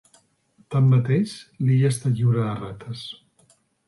Tanmateix, l'illa està lliure de rates.